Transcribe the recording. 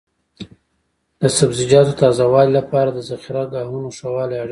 د سبزیجاتو تازه والي لپاره د ذخیره ګاهونو ښه والی اړین دی.